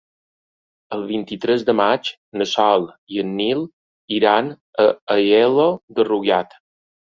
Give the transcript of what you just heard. El vint-i-tres de maig na Sol i en Nil iran a Aielo de Rugat.